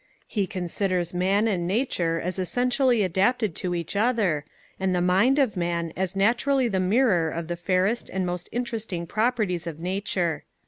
He considers man and nature as essentially adapted to each other, and the mind of man as naturally the mirror of the fairest and most interesting properties of nature.